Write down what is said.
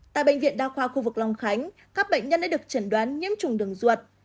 tại bệnh viện đa khoa khu vực long khánh các bệnh nhân đã được chẩn đoán nhiễm trùng đường ruột